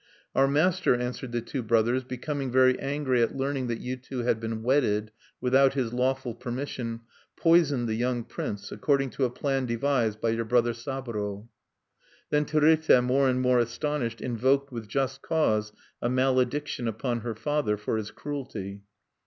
"Our master," answered the two brothers, "becoming very angry at learning that you two had been wedded without his lawful permission, poisoned the young prince, according to a plan devised by your brother Saburo." Then Terute, more and more astonished, invoked, with just cause, a malediction upon her father for his cruelty.